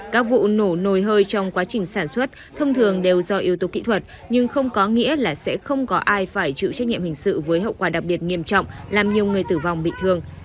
các vụ nổ nồi hơi trong quá trình sản xuất thông thường đều do yếu tố kỹ thuật nhưng không có nghĩa là sẽ không có ai phải chịu trách nhiệm hình sự với hậu quả đặc biệt nghiêm trọng làm nhiều người tử vong bị thương